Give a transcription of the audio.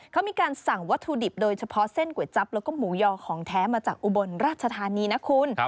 เขามีการสั่งวัตถุดิบโดยเฉพาะเส้นก๋วยจั๊บแล้วก็หมูยอของแท้มาจากอุบลราชธานีนะคุณ